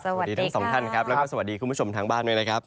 สวัสดีทั้งสองท่านครับและสวัสดีคุณผู้ชมทางบ้าน